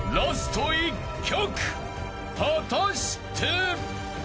［果たして！？］